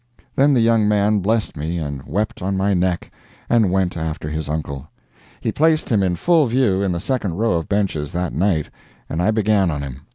Then the young man blessed me, and wept on my neck, and went after his uncle. He placed him in full view, in the second row of benches, that night, and I began on him.